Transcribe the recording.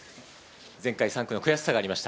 前回３区の悔しさがありました。